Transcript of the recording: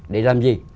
để làm gì